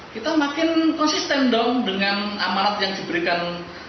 kita makin konsisten dong dengan amanat yang diberikan